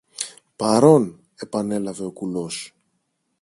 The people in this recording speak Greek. Παρών! επανέλαβε ο κουλός.